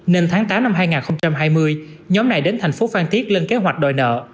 nên tháng tám năm hai nghìn hai mươi nhóm này đến thành phố phan thiết lên kế hoạch đòi nợ